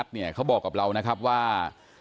ผมมีโพสต์นึงครับว่า